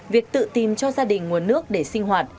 việc tự tìm cho gia đình nguồn nước để sinh hoạt